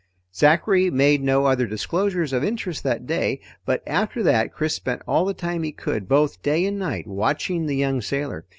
Zachary made no other disclosures of interest that day, but after that Chris spent all the time he could, both day and night, watching the young sailor.